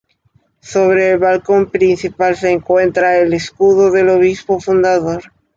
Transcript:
Sobre el balcón principal se encuentra el escudo del obispo fundador.